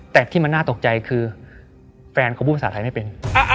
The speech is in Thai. แต่ที่มันน่าตกใจคือแฟนเขาพูดภาษาไทยไม่เป็น